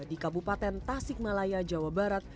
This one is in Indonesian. di kabupaten tasik malaya jawa barat